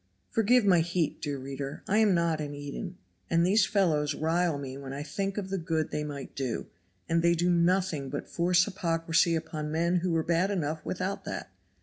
Forgive my heat, dear reader. I am not an Eden, and these fellows rile me when I think of the good they might do, and they do nothing but force hypocrisy upon men who were bad enough without that.